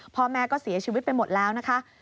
พ่อแม่ก็เสียชีวิตไปหมดแล้วนะคะ